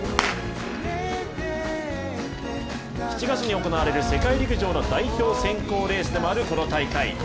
７月に行われる世界陸上の代表選考レースでもあるこの大会。